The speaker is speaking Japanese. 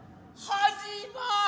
始まり！